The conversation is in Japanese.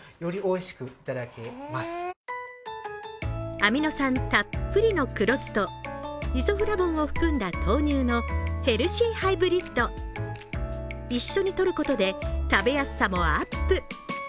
アミノ酸たっぷりの黒酢とイソフラボンを含んだ豆乳のヘルシーハイブリッド一緒に取ることで食べやすさもアップ。